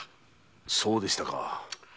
そうでしたか。